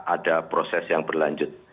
ada proses yang berlanjut